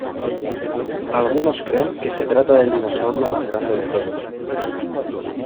Algunos creen que se trata del dinosaurio más grande de todos.